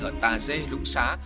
ở tà dê lũng xá